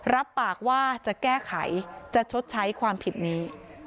รับปากว่าจะแก้ไขจะชดใช้ความผิดนี้